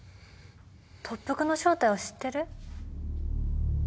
特服の正体を知ってる？